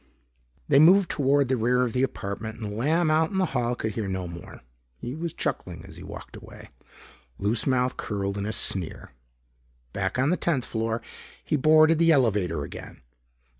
They moved toward the rear of the apartment and Lamb out in the hall could hear no more. He was chuckling as he walked away, loose mouth curled in a sneer. Back on the tenth floor, he boarded the elevator again.